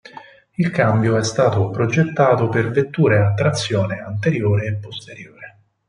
Il cambio è stato progettato per vetture a trazione anteriore e posteriore.